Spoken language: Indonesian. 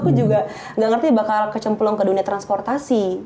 aku juga gak ngerti bakal kecemplung ke dunia transportasi